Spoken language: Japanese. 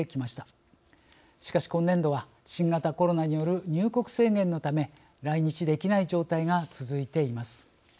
しかし今年度は新型コロナによる入国制限のため来日できない状態が続いています。